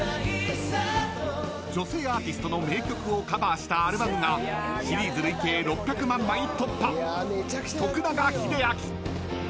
［女性アーティストの名曲をカバーしたアルバムがシリーズ累計６００万枚突破］